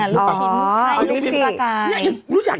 ลูกชิ้นที่ออกไก่